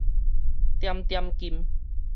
點點金